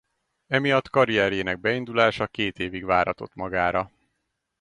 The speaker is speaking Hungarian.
Emiatt karrierjének beindulása két évig váratott magára.